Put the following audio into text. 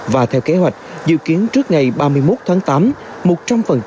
và theo kế hoạch dự kiến trước ngày ba mươi một tháng tám